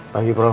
pagi pak surya